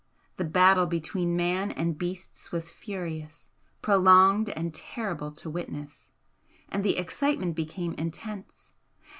The battle between man and beasts was furious, prolonged and terrible to witness and the excitement became intense.